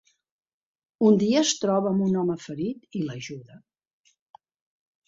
Un dia es troba amb un home ferit i l'ajuda.